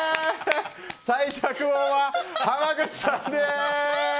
最弱王は濱口さんです！